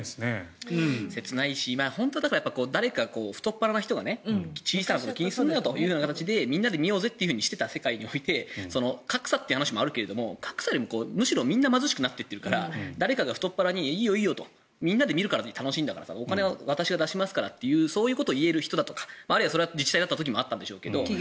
切ないし誰か太っ腹な人が小さいこと気にするなとみんなで見ようぜとしていた世界と格差という話もあるけど格差というよりも、むしろみんな貧しくなっていっているから誰かが太っ腹にいいよ、いいよとみんなで見るのが楽しいんだから私がお金出しますからとそういうことを言える人だとかそれが自治体だった時もあったんでしょうけど。